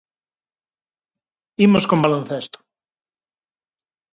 Imos con baloncesto.